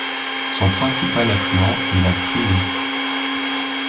Son principal affluent est la Treene.